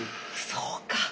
そうか。